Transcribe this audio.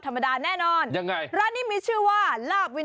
ธรรมดาแน่นอนยังไงร้านนี้มีชื่อว่าลาบวิน